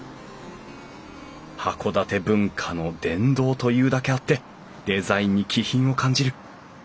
函館文化の殿堂というだけあってデザインに気品を感じる。